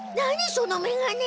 そのめがね！